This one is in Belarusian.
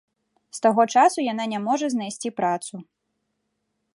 З таго часу яна не можа знайсці працу.